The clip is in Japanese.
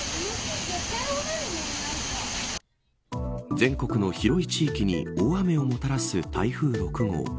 全国の広い地域に大雨をもたらす台風６号。